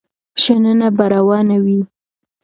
شننه به روانه وي.